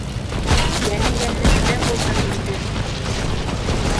— Йәне йәннәттә булһын, инде!